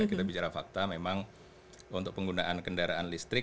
kita bicara fakta memang untuk penggunaan kendaraan listrik